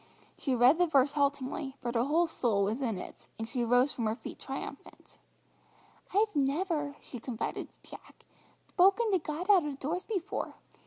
She read the verse haltingly, but her whole soul was in it, and she rose from her feet triumphant. "I've never," she confided to Jack, "thpoken to God out of doors before.